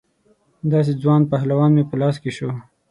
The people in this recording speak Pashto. داسې ځوان پهلوان مې په لاس کې شو.